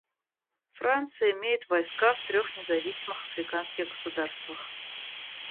Франция имеет войска в трех независимых африканских государствах.